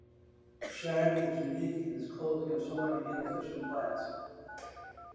China is unique in its closing of so many inefficient plants.